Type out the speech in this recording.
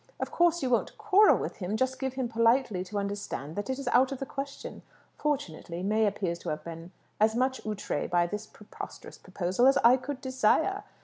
Of course, you won't quarrel with him. Just give him politely to understand that it is out of the question. Fortunately, May appears to have been as much outrée by this preposterous proposal as I could desire.